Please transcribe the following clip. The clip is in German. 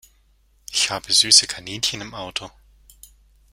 Ich habe süße Kaninchen im Auto!